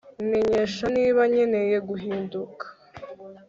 Menyesha niba nkeneye guhinduka